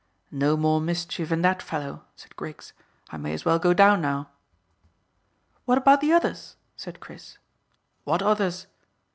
"No more mischief in that fellow," said Griggs. "I may as well go down now." "What about the others?" said Chris. "What others?"